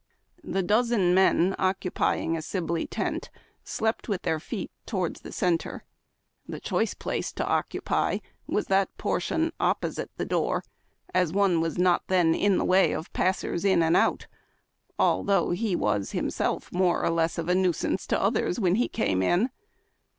The dozen men occupying a Sibley tent slept with their feet towards the centre. The choice place to occupy was that portion opposite the door, as one was not then in the way of passers in and out, although he was himself more or less of a nuisance to others when he came in.